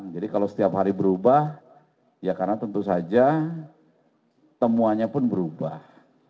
jadi kalau setiap hari berubah ya karena tentu saja temuannya pun berubah